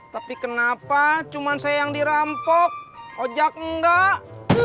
tapi kenapa cuman saya yang dirampok ojak enggak